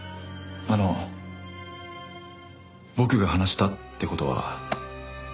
あの僕が話したって事は。